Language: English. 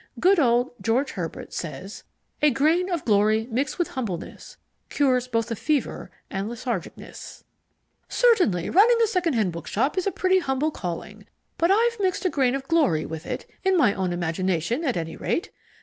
Good old George Herbert says: A grain of glory mixed with humblenesse Cures both a fever and lethargicknesse. "Certainly running a second hand bookstore is a pretty humble calling, but I've mixed a grain of glory with it, in my own imagination at any rate.